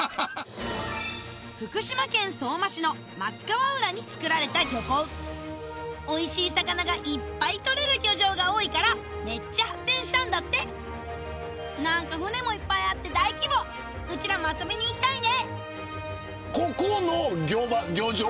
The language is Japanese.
福島県相馬市の松川浦に造られた漁港おいしい魚がいっぱいとれる漁場が多いからめっちゃ発展したんだって何か船もいっぱいあって大規模うちらも遊びに行きたいね！